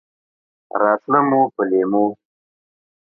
راتله مو په لېمو!